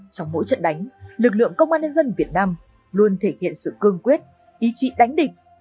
trong mỗi trận đánh lực lượng công an nhân dân việt nam luôn thể hiện sự cương quyết ý chí đánh địch